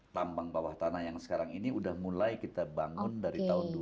tambang bawah tanah yang sekarang ini sudah mulai kita bangun dari tahun dua ribu